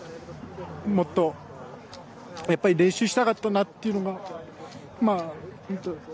もっと、やっぱり練習したかったなというのが。